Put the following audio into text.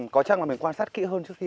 có chăng là mình quan sát kỹ hơn trước khi